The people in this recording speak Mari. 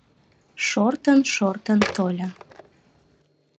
Шортын-шортын тольо.